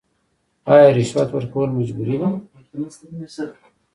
آیا رشوت ورکول مجبوري ده؟